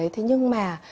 thế nhưng mà